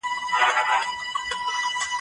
څوک په خپل کور کي بې کوره څوک د بل پر آشیانه دي